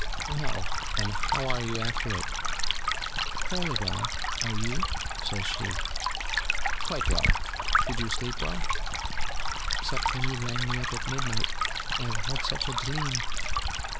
'Well, and how are you after it?' 'Fairly well. Are you?' says she. 'Quite well. Did you sleep well?' 'Except when you lang me up at midnight. I have had such a dleam